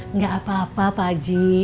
nggak apa apa pak haji